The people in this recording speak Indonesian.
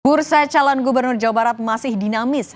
bursa calon gubernur jawa barat masih dinamis